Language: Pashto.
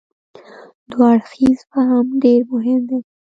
دوه اړخیز فهم ډېر مهم دی.